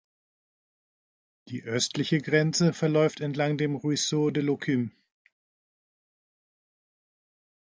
Die östliche Grenze verläuft entlang dem "Ruisseau de Locum".